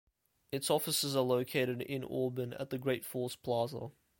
Its offices are located in Auburn at the Great Falls Plaza.